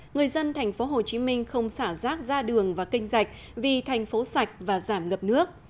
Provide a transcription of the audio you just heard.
người dân thành phố hồ chí minh không xả rác ra đường và kênh rạch vì thành phố sạch và giảm ngập nước